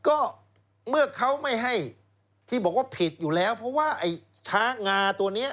ก็เมื่อเขาไม่ให้ที่บอกว่าผิดอยู่แล้วเพราะว่าไอ้ช้างงาตัวนี้